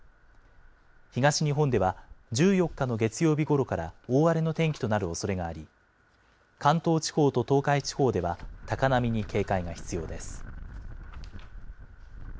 東日本では、１４日の月曜日ごろから大荒れの天気となるおそれがあり、関東地方と東海地方では、高波に警戒が必要です。